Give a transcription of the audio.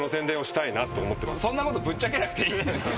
そんなことぶっちゃけなくていいんですよ。